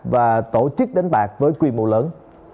và tổ chức đánh bạc với quy mô lớn